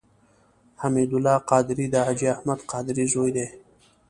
حمید الله قادري د حاجي احمد قادري زوی دی.